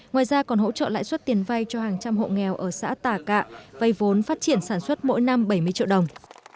ngoài ra còn hỗ trợ lãi suất tiền vay cho hàng trăm hộ nghèo ở xã tà cạ vay vốn phát triển sản xuất mỗi năm bảy mươi triệu đồng